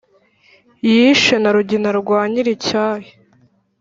Yishe na Rugina rwa nyir' icyahi